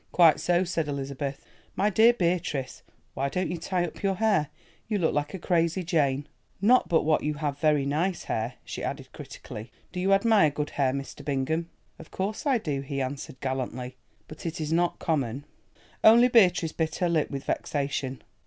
"Quite so," said Elizabeth. "My dear Beatrice, why don't you tie up your hair? You look like a crazy Jane. Not but what you have very nice hair," she added critically. "Do you admire good hair, Mr. Bingham." "Of course I do," he answered gallantly, "but it is not common." Only Beatrice bit her lip with vexation.